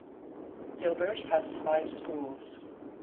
Gilbert has five schools.